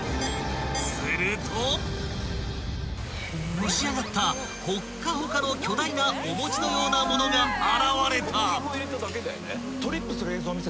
［蒸し上がったホッカホカの巨大なお餅のようなものが現れた］